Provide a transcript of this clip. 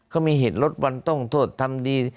เขามีเหตุลดวันต้องโทษทำดี